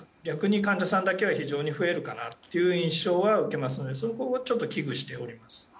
逆に患者さんだけが非常に増えるかなという印象を受けますのでそこはちょっと危惧しております。